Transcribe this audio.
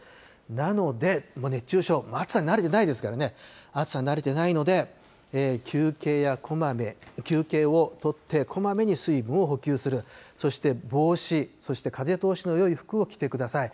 なので、熱中症、暑さに慣れてないですからね、暑さに慣れてないので、休憩やこまめ、休憩を取って、こまめに水分を補給する、そして帽子、そして風通しのよい服を着てください。